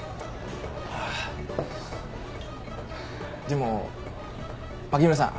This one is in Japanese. でも牧村さん